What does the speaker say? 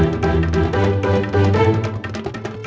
dia bangun apa tidur ya